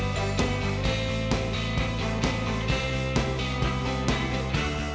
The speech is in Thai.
ตอนนี้ผมไม่มีงานแล้ว